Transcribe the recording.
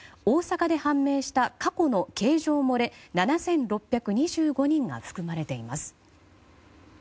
大阪で判明した、過去の計上漏れ７６２５人が含まれています。